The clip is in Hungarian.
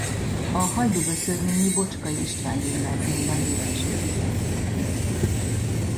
A hajdúböszörményi Bocskai István Gimnáziumban érettségizett.